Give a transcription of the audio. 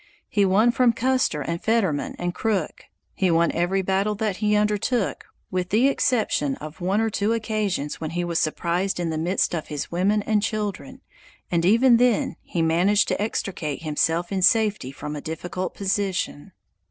He won from Custer and Fetterman and Crook. He won every battle that he undertook, with the exception of one or two occasions when he was surprised in the midst of his women and children, and even then he managed to extricate himself in safety from a difficult position.